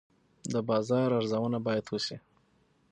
د بازار ارزونه باید وشي.